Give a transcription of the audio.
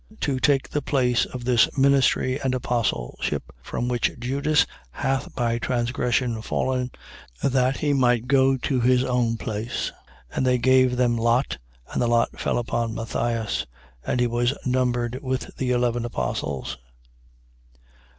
To take the place of this ministry and apostleship, from which Judas hath by transgression fallen, that he might go to his own place. 1:26. And they gave them lot, and the lot fell upon Matthias, and he was numbered with the eleven apostles.